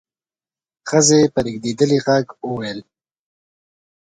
ښځې په رېږدېدلي غږ وويل: